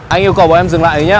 anh yêu cầu bọn em dừng lại nhé